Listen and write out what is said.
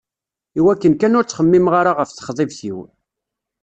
Iwakken kan ur ttxemmimeɣ ara ɣef texḍibt-iw.